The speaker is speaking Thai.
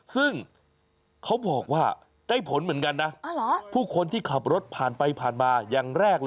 ซึ่งเขาบอกว่าได้ผลเหมือนกันนะผู้คนที่ขับรถผ่านไปผ่านมาอย่างแรกเลย